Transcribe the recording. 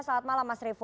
selamat malam mas revo